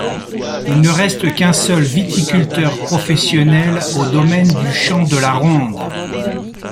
Il ne reste qu'un seul viticulteur professionnel, au domaine du Champ de la Ronde.